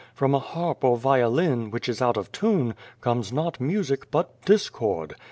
From a harp or violin, which is out of tune, comes not music but discord.